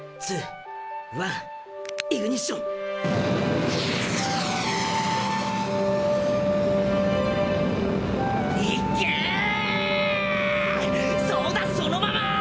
そうだそのまま！